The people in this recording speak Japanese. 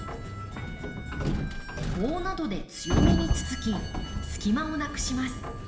棒などで強めにつつき隙間をなくします。